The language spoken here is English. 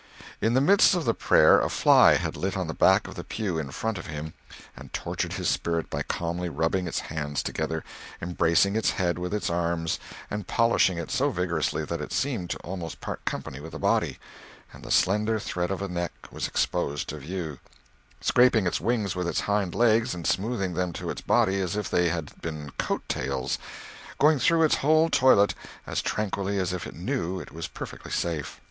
In the midst of the prayer a fly had lit on the back of the pew in front of him and tortured his spirit by calmly rubbing its hands together, embracing its head with its arms, and polishing it so vigorously that it seemed to almost part company with the body, and the slender thread of a neck was exposed to view; scraping its wings with its hind legs and smoothing them to its body as if they had been coat tails; going through its whole toilet as tranquilly as if it knew it was perfectly safe.